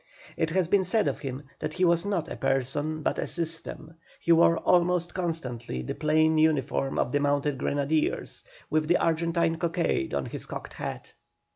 It has been said of him that he was not a person but a system. He wore almost constantly the plain uniform of the mounted grenadiers, with the Argentine cockade on his cocked hat.